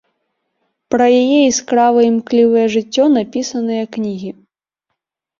Пра яе яскравае імклівае жыццё напісаныя кнігі.